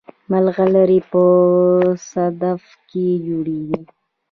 ملغلرې په صدف کې جوړیږي